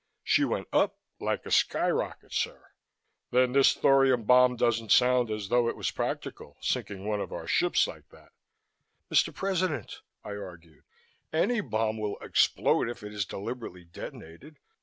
"She went up like a sky rocket, sir." "Then this thorium bomb doesn't sound as though it was practical, sinking one of our ships like that." "Mr. President," I argued, "any bomb will explode if it is deliberately detonated.